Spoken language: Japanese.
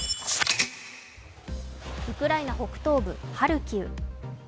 ウクライナ北東部ハルキウ。